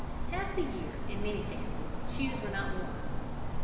Half the year, in many families, shoes were not worn.